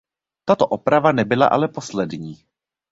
Tato oprava nebyla ale poslední.